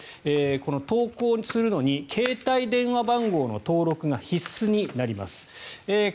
来月中旬から投稿するのに携帯電話番号の登録が必須になります。